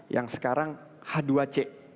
yang sekarang h dua c